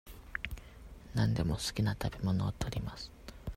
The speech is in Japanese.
何でも好きな食べ物を取ります。